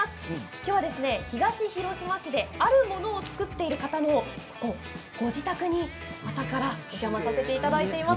今日は東広島市であるものを作っている方のご自宅に朝からお邪魔させていただいています。